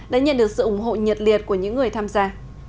đã nhận được sự ủng hộ nhiệt liệt của những người tham gia